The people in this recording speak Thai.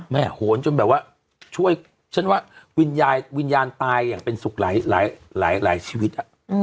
แม่โหนจนแบบว่าช่วยวิญญาณตายอย่างเป็นสุขหลายชีวิต